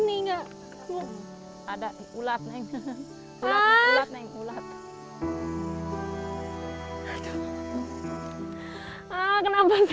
kok nggak apa apa bu katanya nggak terlalu